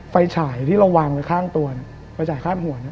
ฉายที่เราวางไว้ข้างตัวไฟฉายคาดหัว